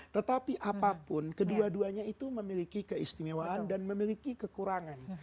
tetapi apapun kedua duanya itu memiliki keistimewaan dan memiliki kekurangan